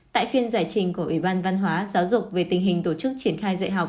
tại phiên giải trình của ủy ban văn hóa giáo dục về tình hình tổ chức triển khai dạy học